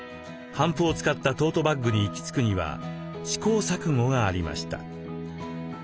帆布を使ったトートバッグに行き着くには試行錯誤がありました。